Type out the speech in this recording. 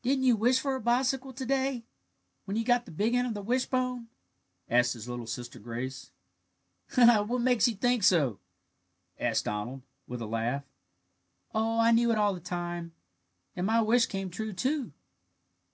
"Didn't you wish for a bicycle to day, when you got the big end of the wishbone?" asked his little sister Grace. "What makes you think so?" asked Donald, with a laugh. "Oh, I knew it all the time; and my wish came true, too."